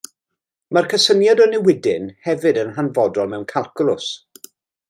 Mae'r cysyniad o newidyn hefyd yn hanfodol mewn calcwlws.